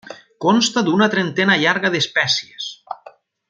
Consta d'una trentena llarga d'espècies.